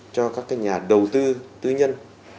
cho các nhà đầu tư tư nhân